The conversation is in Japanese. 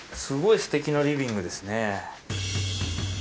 すごいすてきなリビングですね。